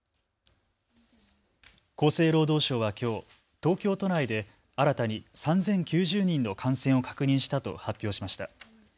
厚生労働省はきょう東京都内で新たに３０９０人の感染を確認したと発表しました。